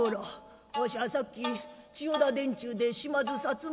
わしゃさっき千代田殿中で島津薩摩